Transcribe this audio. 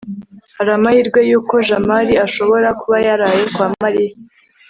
hari amahirwe yuko jamali ashobora kuba yaraye kwa mariya